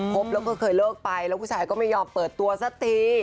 บแล้วก็เคยเลิกไปแล้วผู้ชายก็ไม่ยอมเปิดตัวสักที